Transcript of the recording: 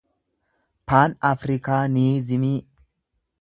paan-afrikaaniizimii